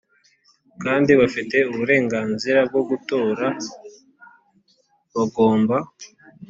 kandi bafite uburenganzira bwo gutora Bagomba